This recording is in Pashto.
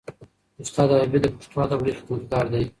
استاد حبیبي د پښتو ادب لوی خدمتګار دی.